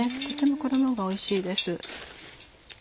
とても衣がおいしいです。